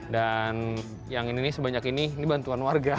dan yang ini sebanyak ini ini bantuan warga